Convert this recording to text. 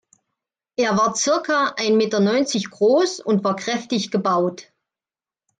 Er war circa ein Meter neunzig groß und war kräftig gebaut.